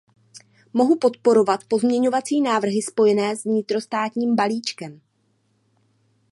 Mohu podporovat pozměňovací návrhy spojené s vnitrostátním balíčkem.